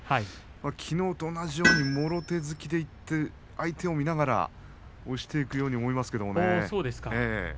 きのうと同じようにもろ手突きでいって相手を見ながら押していくようにそうですか。